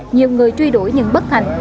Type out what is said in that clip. nhiều người truy đuổi nhưng bất thành